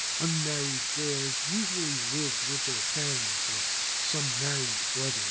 Unmarried girls usually lived with their parents or some married brother or sister.